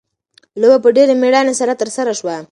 لوبه په ډېره مېړانه سره ترسره شوه.